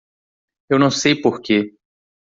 Eu não sei porque.